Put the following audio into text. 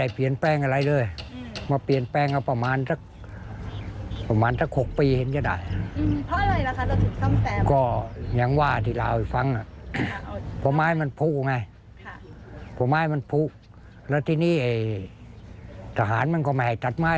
เพราะไม้มันพุกแล้วทีนี้ทหารมันก็ไม่ให้ตัดไม้